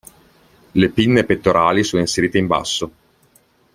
Le pinne pettorali sono inserite in basso.